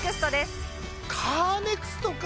カーネクストか！